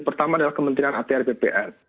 pertama adalah kementerian htr bpn